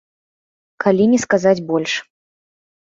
Калі не сказаць больш.